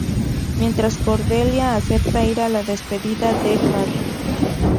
Mientras Cordelia acepta ir a la despedida de Harriet.